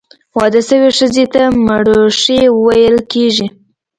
واده سوي ښځي ته، مړوښې ویل کیږي.